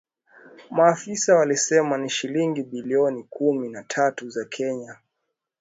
Maafisa walisema ni shilingi bilioni kumi na tatu za Kenya